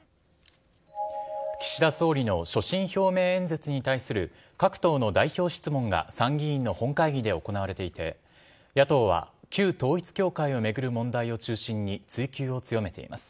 岸田総理の所信表明演説に対する各党の代表質問が参議院の本会議で行われていて野党は旧統一教会を巡る問題を中心に追及を強めています。